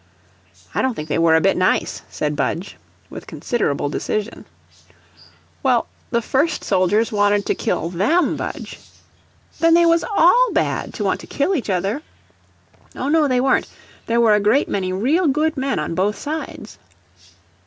"I don't think they were a bit nice," said Budge, with considerable decision. "Well, the first soldiers wanted to kill THEM, Budge." "Then they was ALL bad, to want to kill each other." "Oh, no, they weren't; there were a great many real good men on both sides."